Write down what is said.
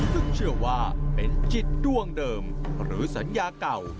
ซึ่งเชื่อว่าเป็นจิตด้วงเดิมหรือสัญญาเก่า